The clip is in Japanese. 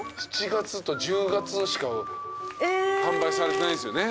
７月と１０月しか販売されてないんですよね。